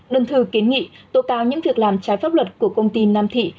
đơn thư kiến nghị tố cáo những việc làm trái pháp luật của công ty nam thị